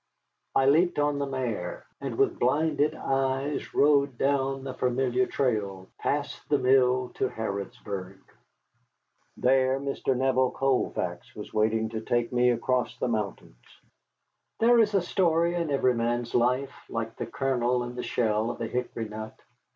I leaped on the mare, and with blinded eyes rode down the familiar trail, past the mill, to Harrodsburg. There Mr. Neville Colfax was waiting to take me across the mountains. There is a story in every man's life, like the kernel in the shell of a hickory nut.